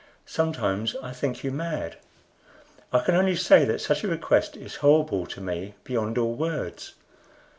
"Sometimes I think you mad. I can only say that such a request is horrible to me beyond all words.